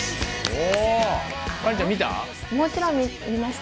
お！